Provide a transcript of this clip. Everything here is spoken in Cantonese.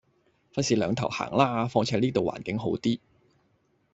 費事兩頭行啦，況且呢度環境好啲